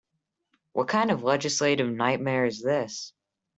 What kind of legislative nightmare is this?